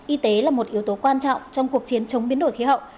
y tế là một yếu tố quan trọng trong cuộc chiến chống biến đổi khí hậu